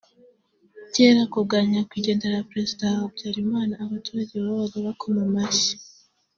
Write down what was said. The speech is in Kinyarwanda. Cyera kubwa Nyakwigendera Président Habyarimana abaturage babaga bakoma amashyi